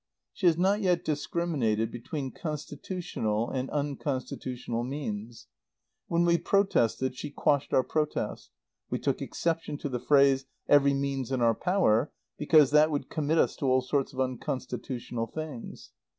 She has not yet discriminated between constitutional and unconstitutional means. When we protested, she quashed our protest. We took exception to the phrase 'every means in our power,' because that would commit us to all sorts of unconstitutional things.